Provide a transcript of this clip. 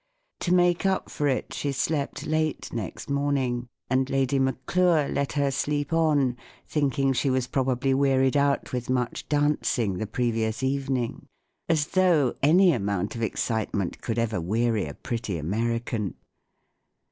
To make up for it, she slept late next morning ; and Lady Maclure let her sleep on, thinking she was probably wearied out with much dancing the previous evening—as though any amount of excitement could ever weary a pretty American!